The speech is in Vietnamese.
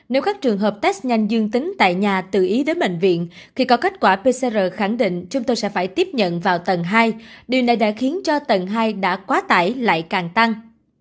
nếu các trường hợp test nhanh dương tính tại nhà tự ý đến bệnh viện khi có kết quả pcr khẳng định chúng tôi sẽ phải tiếp nhận vào tầng hai điều này đã khiến cho tầng hai đã quá tải lại càng tăng